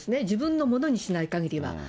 自分のものにしないかぎりは。